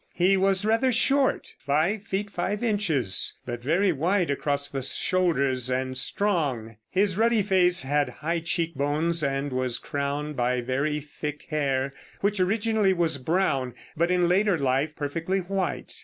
He was rather short, five feet five inches, but very wide across the shoulders, and strong. His ruddy face had high cheek bones, and was crowned by very thick hair, which originally was brown, but in later life perfectly white.